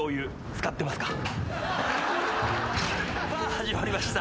始まりました。